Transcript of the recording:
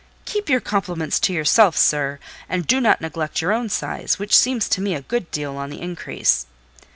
"Keep your compliments to yourself, sir, and do not neglect your own size: which seems to me a good deal on the increase.